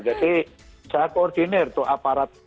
jadi sangat koordinir tuh aparat